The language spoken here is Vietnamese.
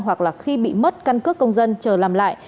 hoặc là khi bị mất căn cước công dân chờ làm lại